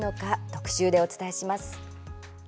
特集でお伝えします。